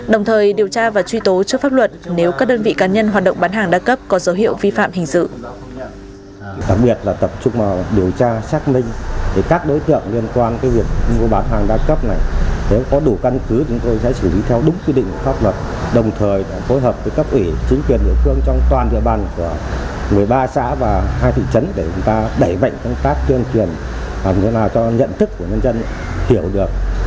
đồng thời điều tra và truy tố trước pháp luật nếu các đơn vị cá nhân hoạt động bán hàng đa cấp có dấu hiệu vi phạm hình dự